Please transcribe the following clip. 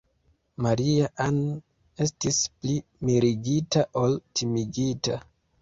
Maria-Ann estis pli mirigita ol timigita.